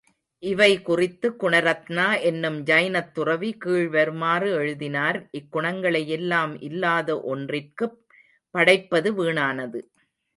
இவை குறித்து குணரத்னா என்னும் ஜைனத் துறவி கீழ் வருமாறு எழுதினார் இக்குணங்களையெல்லாம் இல்லாத ஒன்றிற்குப் படைப்பது வீணானது.